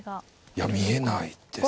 いや見えないですね。